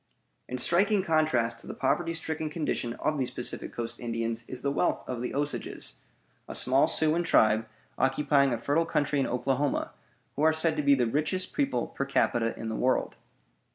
In striking contrast to the poverty stricken condition of these Pacific Coast Indians is the wealth of the Osages, a small Siouan tribe occupying a fertile country in Oklahoma, who are said to be the richest people, per capita, in the world.